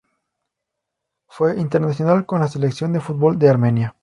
Fue internacional con la selección de fútbol de Armenia.